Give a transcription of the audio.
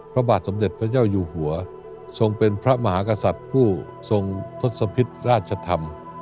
พระบาทสมเด็จพระเจ้าอยู่หัวทรงเป็นพระมหากษัตริย์ผู้ทรงทศพิษราชธรรม